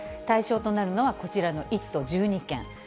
対象となるのはこちらの１都１２県。